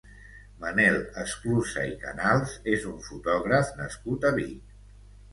Manel Esclusa i Canals és un fotògraf nascut a Vic.